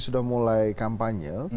sudah mulai kampanye